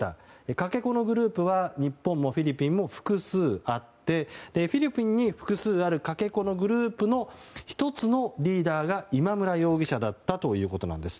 かけ子のグループは日本もフィリピンも複数あってフィリピンに複数あるかけ子のグループの１つのリーダーが今村容疑者だったということです。